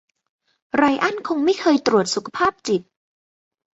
ไรอันคงไม่เคยตรวจสุจภาพจิต